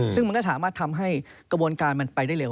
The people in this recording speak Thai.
ซึ่งมันก็สามารถทำให้กระบวนการมันไปได้เร็